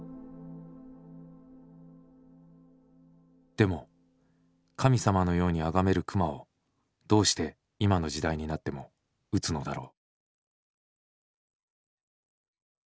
でも神様のように崇める熊をどうして今の時代になっても撃つのだろう。